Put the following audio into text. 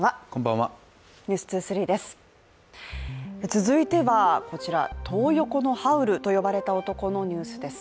続いては、こちらトー横のハウルと呼ばれた男のニュースです。